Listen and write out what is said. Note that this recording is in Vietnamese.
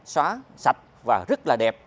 xóa sạch và rất là đẹp